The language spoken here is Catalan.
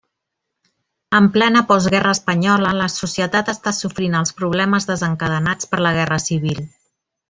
En plena postguerra espanyola la societat està sofrint els problemes desencadenats per la Guerra Civil.